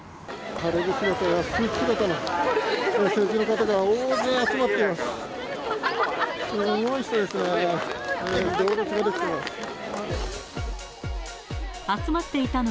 晴れ着姿やスーツ姿の方が大勢集まっています。